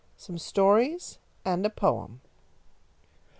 SOME STORIES AND A POEM.